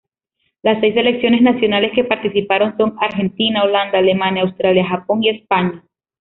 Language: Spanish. Las seis selecciones nacionales que participaron son Argentina, Holanda, Alemania, Australia, Japón y España.